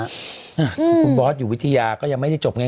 คือคุณบอสอยู่วิทยาก็ยังไม่ได้จบไง